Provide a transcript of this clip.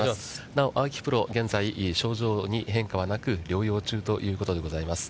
なお青木プロ、現在症状に変化はなく、療養中ということでございます。